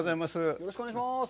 よろしくお願いします。